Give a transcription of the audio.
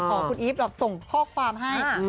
ของคุณอีฟแบบส่งข้อความให้